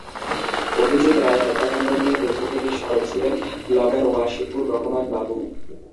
অভিজিৎ রায় হত্যাকাণ্ড নিয়ে ফেসবুকে বেশ সরব ছিলেন ব্লগার ওয়াশিকুর রহমান বাবু।